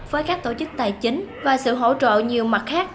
với các tổ chức tài chính và sự hỗ trợ nhiều mặt khác